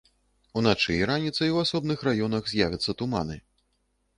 Уначы і раніцай у асобных раёнах з'явяцца туманы.